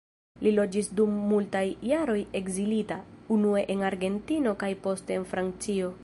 Li loĝis dum multaj jaroj ekzilita, unue en Argentino kaj poste en Francio.